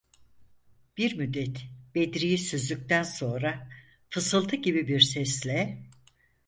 Bir müddet Bedri’yi süzdükten sonra, fısıltı gibi bir sesle: